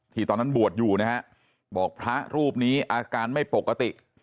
ตอนนั้นบวชอยู่นะฮะบอกพระรูปนี้อาการไม่ปกติ